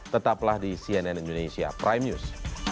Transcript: tetaplah di cnn indonesia prime news